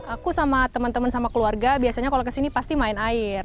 aku sama teman teman sama keluarga biasanya kalau kesini pasti main air